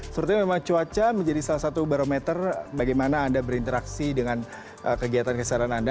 sepertinya memang cuaca menjadi salah satu barometer bagaimana anda berinteraksi dengan kegiatan kesehatan anda